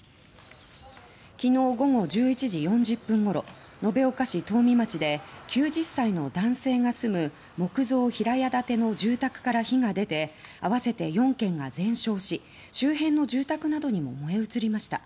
昨日午後１１時４０分ごろ延岡市東海町で９０歳の男性が住む木造平屋建ての住宅から火が出てあわせて４件が全焼し周辺の住宅などにも燃え移りました。